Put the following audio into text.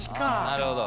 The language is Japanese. なるほど。